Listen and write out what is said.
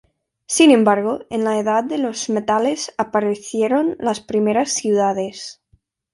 Sin embargo, en la Edad de los Metales aparecieron las primeras ciudades.